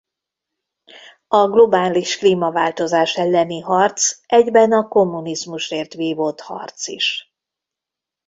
A globális klímaváltozás elleni harc egyben a kommunizmusért vívott harc is.